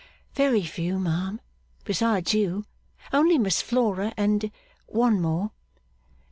'Very few, ma'am. Besides you, only Miss Flora and one more.